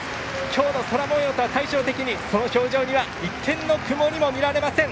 今日の空もようとは対照的にその表情には一点の曇りも見られません。